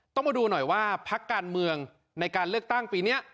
ต้องมาดูหน่อยว่าพักการเมืองในการเลือกตั้งปีนี้